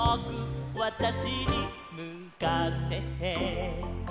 「わたしにむかせて」